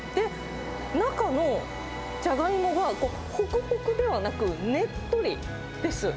中のじゃがいもがほくほくではなく、ねっとりです。